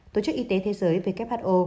tổ chức y tế thế giới who